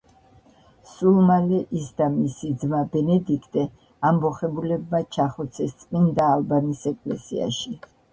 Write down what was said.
სულ მალე ის და მისი ძმა, ბენედიქტე ამბოხებულებმა ჩახოცეს წმინდა ალბანის ეკლესიაში.